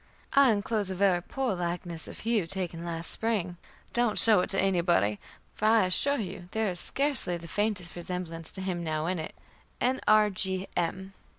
I enclose a very poor likeness of Hugh taken last spring; don't show it to anybody, for I assure you there is scarcely the faintest resemblance to him now in it. "N. R. G. M."